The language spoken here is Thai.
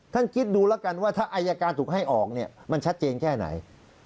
คิดดูแล้วกันว่าถ้าอายการถูกให้ออกเนี่ยมันชัดเจนแค่ไหน